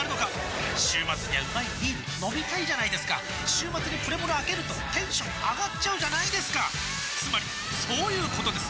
週末にはうまいビール飲みたいじゃないですか週末にプレモルあけるとテンション上がっちゃうじゃないですかつまりそういうことです！